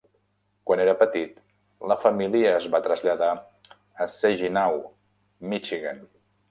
Quan era petit, la família es va traslladar a Saginaw, Michigan.